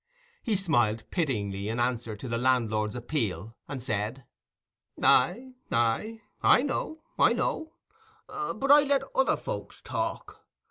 He smiled pityingly, in answer to the landlord's appeal, and said— "Aye, aye; I know, I know; but I let other folks talk.